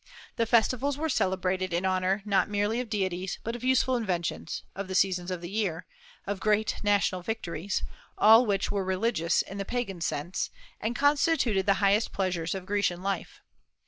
The festivals were celebrated in honor not merely of deities, but of useful inventions, of the seasons of the year, of great national victories, all which were religious in the pagan sense, and constituted the highest pleasures of Grecian life.